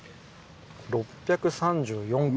６３４間。